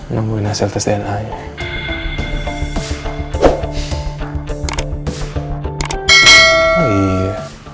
nungguin hasil tes dna nya